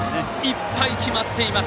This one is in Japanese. いっぱい決まっています